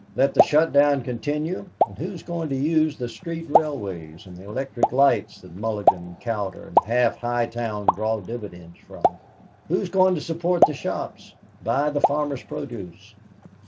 Let the shut down continue, and who is going to use the street railways and the electric lights that Mulligan and Cowder and half High Town draw dividends from? Who is going to support the shops, buy the farmers' produce?